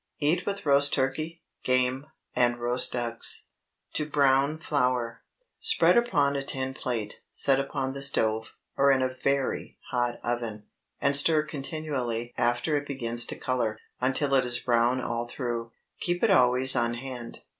Eat with roast turkey, game, and roast ducks. TO BROWN FLOUR. Spread upon a tin plate, set upon the stove, or in a very hot oven, and stir continually after it begins to color, until it is brown all through. Keep it always on hand.